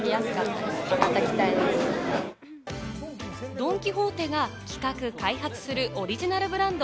ドン・キホーテが企画・開発するオリジナルブランド